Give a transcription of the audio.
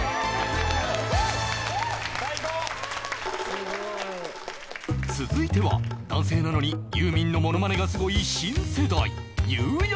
すごい続いては男性なのにユーミンのものまねがすごい新世代ゆうや佑哉！